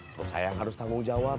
terus saya harus tanggung jawab